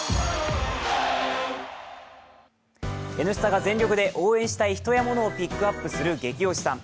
「Ｎスタ」が全力で応援したい人やものをピックアップする「ゲキ推しさん」